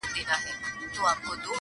o لا به دي غوغا د حسن پورته سي کشمیره,